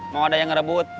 mau ada yang ngerebut